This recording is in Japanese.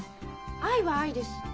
愛は愛です。